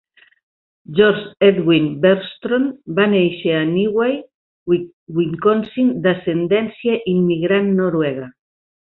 George Edwin Bergstrom va néixer a Neenah, Wisconsin, d'ascendència immigrant noruega.